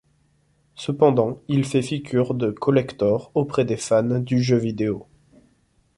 Cependant, il fait figure de collector auprès des fans du jeu vidéo.